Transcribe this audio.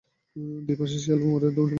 দুইপাশে শেয়াল ও ময়ূরের মূর্তি রয়েছে।